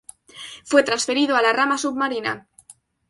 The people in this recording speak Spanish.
Fue transferido a la rama submarina.